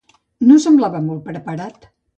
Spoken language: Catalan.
No semblava molt preparat.